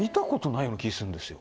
ような気するんですよ。